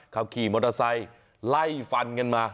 เขาขี่มอเตอร์ไซค์ไล่ฟันกันมา